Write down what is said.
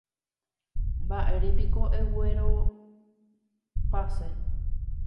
Mba'érepiko oguerekopase.